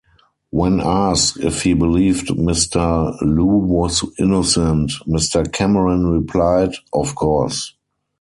When asked if he believed Mr Lew was innocent, Mr Cameron replied: of course.